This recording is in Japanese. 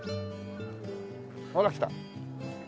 ほら来た。